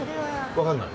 わかんない。